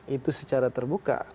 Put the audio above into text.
itu secara terbuka